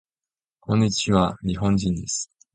こんにちわ。日本人です。